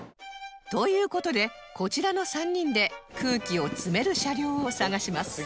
という事でこちらの３人で空気を詰める車両を探します